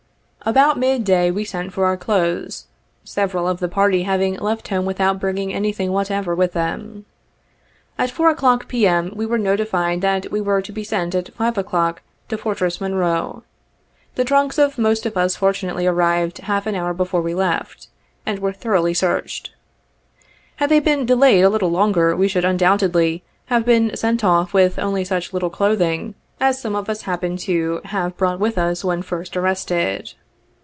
10 About mid day, we sent for our clothes, several of the party having left home without bringing anything whatever with them. At 4 o'clock, P. M., we were notified that we were to be sent at 5 o'clock to Fortress Monrce. The trunks of most of us fortunately arrived half an hour before we left, and were thoroughly searched. Had they been delayed a little longer we should undoubtedly have been sent off with only such little clothing as some of us happened to have brought with us when first arrested.